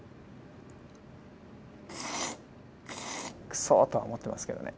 くそとは思ってますけどね。